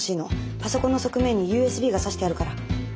パソコンの側面にＵＳＢが差してあるから。